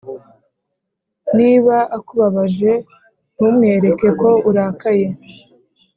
niba akubabaje ntumwereke ko urakaye